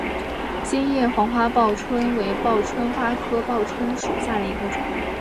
心叶黄花报春为报春花科报春花属下的一个种。